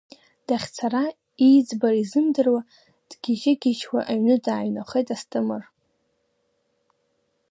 Дахьцара, ииӡбара изымдыруа дгьежьгьежьуа аҩны дааҩнахеит Асҭамыр.